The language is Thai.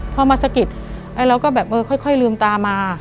พอมาสะกิดแล้วเราก็แบบเออค่อยค่อยลืมตามา